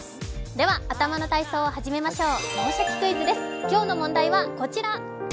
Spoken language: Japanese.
では、頭の体操を始めましょう。